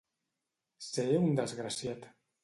Ser un desgraciat.